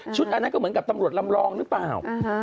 อันนั้นก็เหมือนกับตำรวจลำรองหรือเปล่า